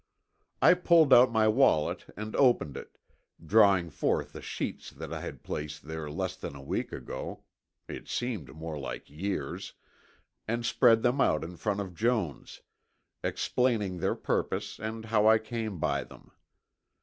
I pulled out my wallet and opened it, drawing forth the sheets that I had placed there less than a week ago (it seemed more like years) and spread them out in front of Jones, explaining their purpose and how I came by them.